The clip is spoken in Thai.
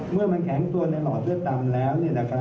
เมื่อมันแข็งตัวในหลอดเลือดต่ำแล้ว